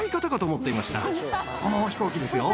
この飛行機ですよ。